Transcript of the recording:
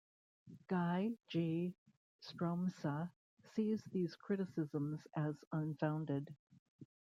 Guy G. Stroumsa sees these criticisms as unfounded.